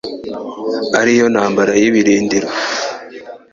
ari yo ntambara y'ibirindiro